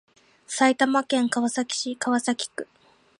埼玉県川崎市川崎区